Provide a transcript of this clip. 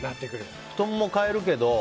布団も変えるけど。